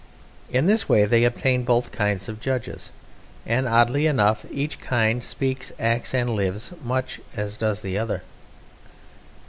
In this way they obtain both kinds of judges, and, oddly enough, each kind speaks, acts, and lives much as does the other.